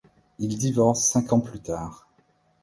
Ils divorcent cinq ans plus tard.